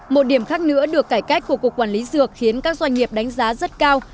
một điểm khác nữa được cải cách của cục quản lý dược khiến các doanh nghiệp đánh giá rất cao